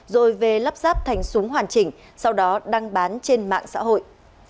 rồi về lắp ráp thành súng hoàn chỉnh sau đó đăng bán trên mạng xã hội